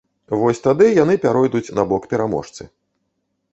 Вось тады яны пяройдуць на бок пераможцы.